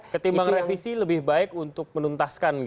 ketimbang revisi lebih baik untuk menuntaskan